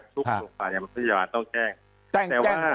ทุกโรงพยาบาลต้องแจ้ง